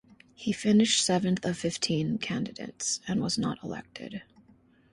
He finished seventh of fifteen candidates, and was not elected.